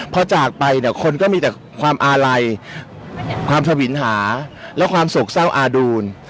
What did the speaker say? พอจากไปเนี่ยคนก็มีแต่ความอาลัยความสวินหาและความโศกเศร้าอาดูล